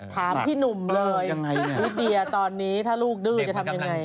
ถามพี่หนุ่มเลยลิเดียตอนนี้ถ้าลูกดื้อจะทำยังไง